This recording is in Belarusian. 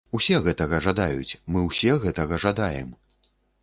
Усе гэтага жадаюць, мы ўсе гэтага жадаем.